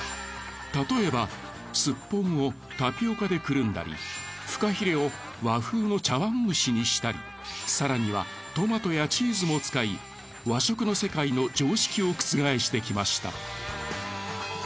たとえばすっぽんをタピオカでくるんだりフカヒレを和風の茶碗蒸しにしたり更にはトマトやチーズも使い和食の世界の常識を覆してきました。